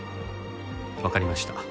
わかりました。